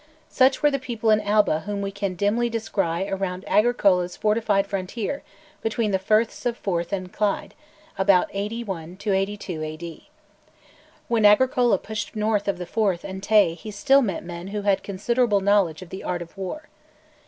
Such were the people in Alba whom we can dimly descry around Agricola's fortified frontier between the firths of Forth and Clyde, about 81 82 A.D. When Agricola pushed north of the Forth and Tay he still met men who had considerable knowledge of the art of war.